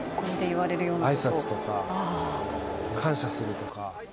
あいさつとか、感謝するとか。